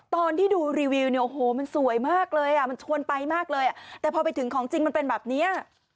ตอนที่ดูรีวิวเนี่ยโอ้โหมันสวยมากเลยอ่ะมันชวนไปมากเลยอ่ะแต่พอไปถึงของจริงมันเป็นแบบเนี้ย